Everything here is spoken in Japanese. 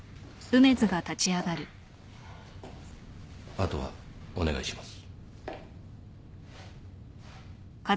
あとはお願いします。